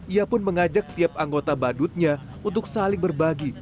ia pun mengajak tiap anggota badutnya untuk saling berbagi